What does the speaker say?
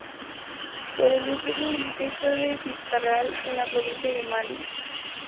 Por el este con el distrito de Fitzcarrald, en la provincia de Manu.